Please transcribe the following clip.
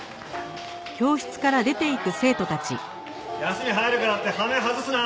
休み入るからってハメ外すな。